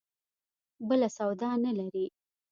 بله سودا نه لري.